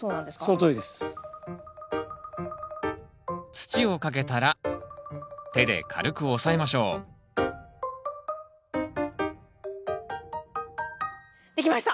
土をかけたら手で軽く押さえましょう出来ました！